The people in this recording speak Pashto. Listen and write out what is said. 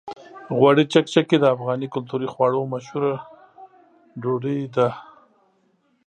غوړي چکچکي د افغاني کلتوري خواړو مشهوره ډوډۍ ده.